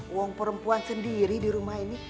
uang perempuan sendiri di rumah ini